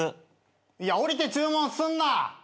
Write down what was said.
いや降りて注文すんな！